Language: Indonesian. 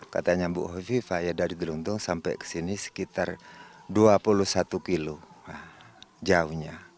katanya bu hovifa ya dari derungdung sampai kesini sekitar dua puluh satu km jauhnya